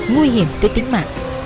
nguy hiểm tới tính mạng